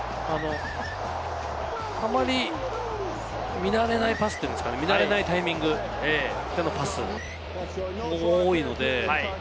たまに、見慣れないパス、見慣れないタイミングでのパスも多いので。